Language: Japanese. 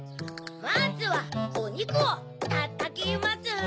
まずはおにくをたたきます